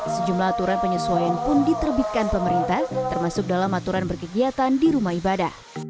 sejumlah aturan penyesuaian pun diterbitkan pemerintah termasuk dalam aturan berkegiatan di rumah ibadah